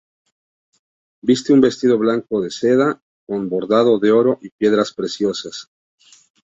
Viste un vestido blanco de seda, con bordado de oro y piedras preciosas.